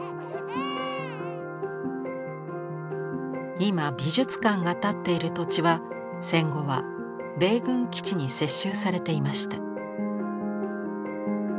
今美術館が立っている土地は戦後は米軍基地に接収されていました。